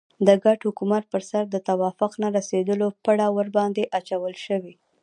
د ګډ حکومت پر سر د توافق نه رسېدلو پړه ورباندې اچول شوې.